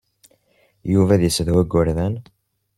Yuba ad yessedhu igerdan.